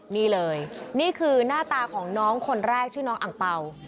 นี่เลยนี่คือหน้าตาของน้องคนแรกชื่อน้องอังเป่า